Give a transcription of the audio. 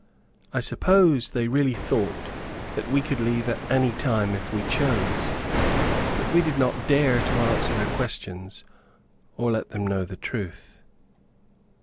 I suppose they really thought that we could leave at any time if we chose. But we did not dare to answer their questions, or let them know the truth.